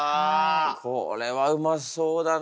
これはうまそうだな。